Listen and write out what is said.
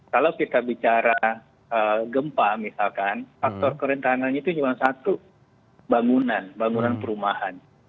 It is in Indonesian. kalau kita bicara gempa misalkan faktor kerentanannya itu cuma satu bangunan bangunan perumahan